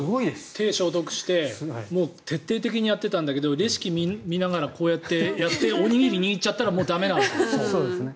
手を消毒して徹底的にやってたんだけどレシピ見ながらこうやってやっておにぎり握っちゃったらそうですね。